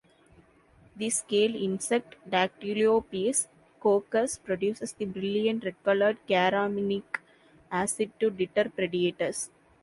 The scale insect "Dactylopius coccus" produces the brilliant red-coloured carminic acid to deter predators.